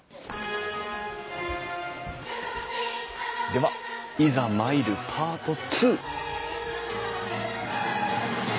ではいざ参るパート２！